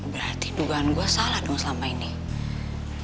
berarti dugaan gue salah dong selama ini ya